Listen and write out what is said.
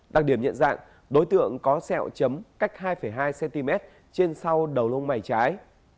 đặc điểm nhận dạng đối tượng có sẹo chấm cách hai hai cm trên sau đầu lông mày trái